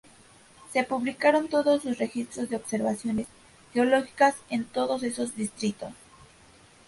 Se publicaron todos sus registros de observaciones geológicas en todos esos distritos.